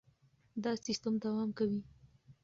دا سیستم دوام کوي.